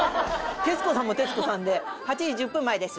徹子さんも徹子さんで「８時１０分前です」。